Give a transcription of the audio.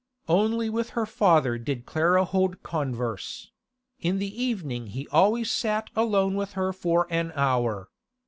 Only with her father did Clara hold converse; in the evening he always sat alone with her for an hour.